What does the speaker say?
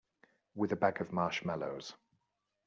With a bag of marshmallows.